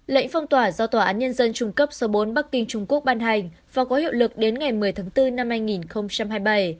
lệnh phong tỏa do tòa án nhân dân trung cấp số bốn bắc kinh trung quốc ban hành và có hiệu lực đến ngày một mươi tháng bốn năm hai nghìn hai mươi bảy